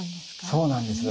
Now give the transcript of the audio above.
そうなんです。